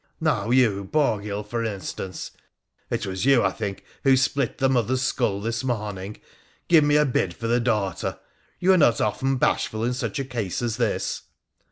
Now you, Borghil, for instance— it was you, I think, who split the mother's skull this morning give me a bid for the daughter : you are not often bashful in such a case as this.'